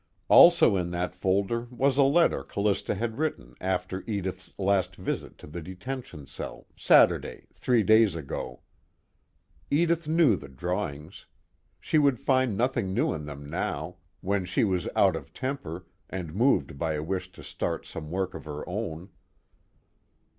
Also in that folder was a letter Callista had written after Edith's last visit to the detention cell, Saturday, three days ago. Edith knew the drawings. She would find nothing new in them now, when she was out of temper and moved by a wish to start some work of her own.